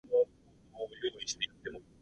公開されているデータセットに追加せれます。